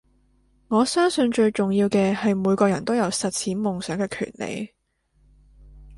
我相信最重要嘅係每個人都有實踐夢想嘅權利